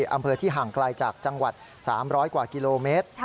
อำเภอที่ห่างไกลจากจังหวัด๓๐๐กว่ากิโลเมตร